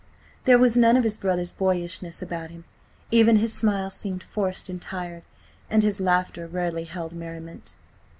There was none of his brother's boyishness about him; even his smile seemed forced and tired, and his laughter rarely held merriment.